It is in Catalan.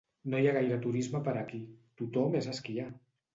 No hi ha gaire turisme per aquí, tothom és a esquiar!